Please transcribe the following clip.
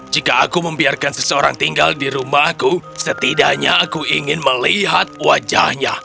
jika aku membiarkan seseorang tinggal di rumahku setidaknya aku ingin melihat wajahnya